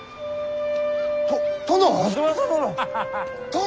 殿！